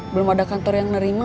belum ada kantor yang nerima